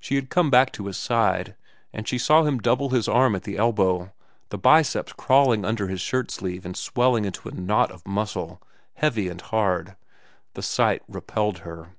She had come back to his side, and she saw him double his arm at the elbow, the biceps crawling under his shirt sleeve and swelling into a knot of muscle, heavy and hard. The sight repelled her.